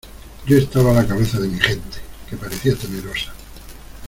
yo estaba a la cabeza de mi gente, que parecía temerosa